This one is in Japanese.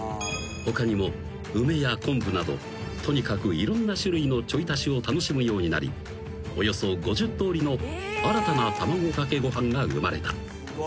［他にも梅や昆布などとにかくいろんな種類のちょい足しを楽しむようになりおよそ５０とおりの新たな卵かけご飯が生まれた］